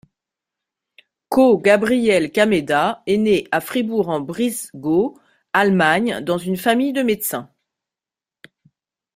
Koh Gabriel Kameda est né à Fribourg-en-Brisgau, Allemagne, dans une famille de médecins.